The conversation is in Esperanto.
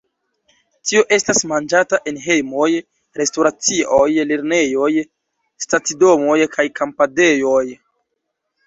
Tio estas manĝata en hejmoj, restoracioj, lernejoj, stacidomoj kaj kampadejoj.